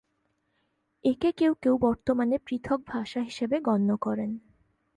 একে কেউ কেউ বর্তমানে পৃথক ভাষা হিসেবে গণ্য করেন।